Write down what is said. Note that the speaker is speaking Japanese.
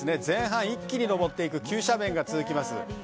前半、一気に上っていく急斜面が続きます。